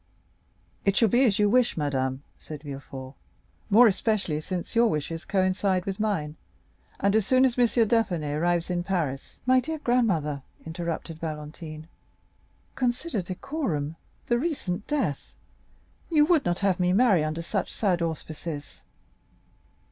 "It shall be as you wish, madame," said Villefort; "more especially since your wishes coincide with mine, and as soon as M. d'Épinay arrives in Paris——" 30319m "My dear grandmother," interrupted Valentine, "consider decorum—the recent death. You would not have me marry under such sad auspices?"